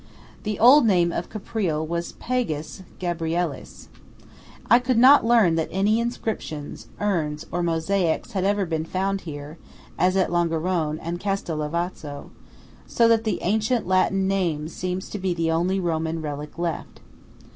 The old name of Caprile was Pagus Gabrielis. I could not learn that any inscriptions, urns, or mosaics had ever been found here, as at Longarone and Castel Lavazzo; so that the ancient Latin name seems to be the only Roman relic left.